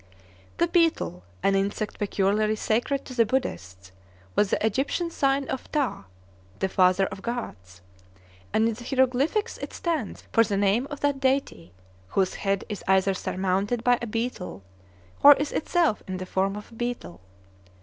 The Beetle, an insect peculiarly sacred to the Buddhists, was the Egyptian sign of Phthah, the Father of Gods; and in the hieroglyphics it stands for the name of that deity, whose head is either surmounted by a beetle, or is itself in the form of a beetle.